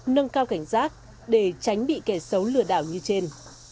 nâng cao cảnh giác để tránh bị kẻ xấu lừa đảo như trên